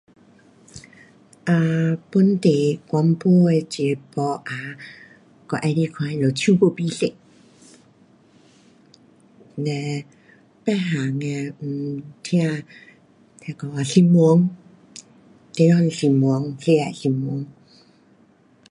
um 本地广播的节目 um 我喜欢看他们唱歌比赛，嘞别样的 um 听，那个啊新闻，地方新闻。